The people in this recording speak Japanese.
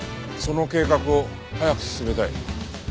その計画を早く進めたい。